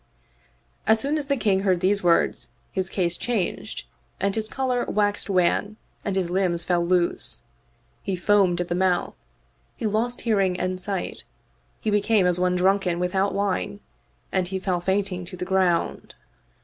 As soon as the King heard these words his case changed and his color waxed wan and his limbs fell loose: he foamed at the mouth; he lost hearing and sight ; he became as one drunken without wine and he fell fainting to the ground.